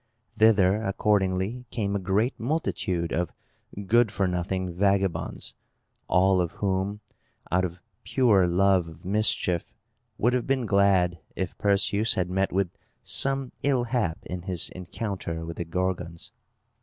Thither, accordingly, came a great multitude of good for nothing vagabonds, all of whom, out of pure love of mischief, would have been glad if Perseus had met with some ill hap in his encounter with the Gorgons.